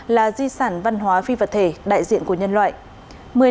là di sản văn hóa phi vật thể đại diện của nhân loại